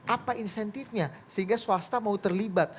apa insentifnya sehingga swasta mau terlibat